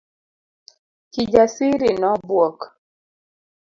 Kijasiri nobuok.